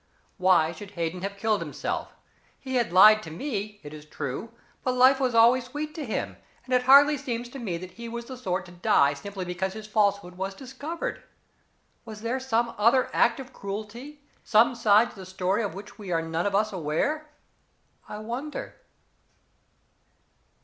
Why should Hayden have killed himself? He had lied to me, it is true, but life was always sweet to him, and it hardly seems to me that he was the sort to die simply because his falsehood was discovered. Was there some other act of cruelty some side to the story of which we are none of us aware? I wonder."